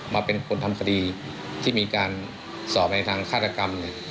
มาเป็นคนทำคดีที่มีการสอบในทางฆาตกรรมเนี่ย